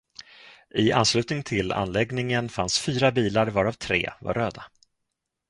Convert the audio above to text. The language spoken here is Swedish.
I anslutning till anläggningen fanns fyra bilar varav tre var röda.